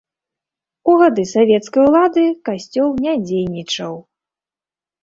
У гады савецкай улады, касцёл не дзейнічаў.